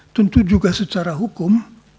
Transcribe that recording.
tentu juga secara hukum